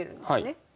はい。